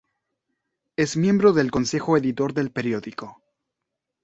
Es miembro del consejo editor del periódico.